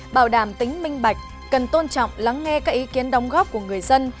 bảo đảm tính minh bạch cần tôn trọng lắng nghe các ý kiến đóng góp của người dân